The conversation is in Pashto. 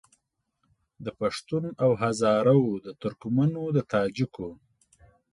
د پښتون او هزاره وو د ترکمنو د تاجکو